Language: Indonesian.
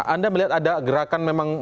anda melihat ada gerakan memang